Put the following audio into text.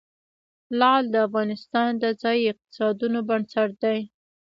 لعل د افغانستان د ځایي اقتصادونو بنسټ دی.